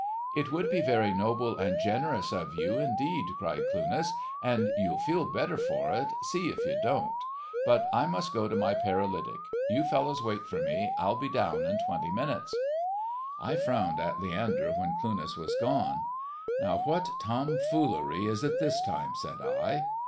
"It would be very noble and generous of you, indeed," cried Cluness, "and you'll feel better for it, see if you don't. But I must go to my paralytic. You fellows wait for me. I'll be down in twenty minutes." I frowned at Leander when Cluness was gone. "Now what tom foolery is it this time?" said I.